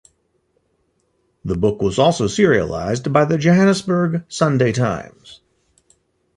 The book was also serialized by the Johannesburg "Sunday Times".